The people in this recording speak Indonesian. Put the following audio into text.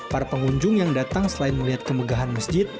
para pengunjung yang datang selain melihat kemegahan masjid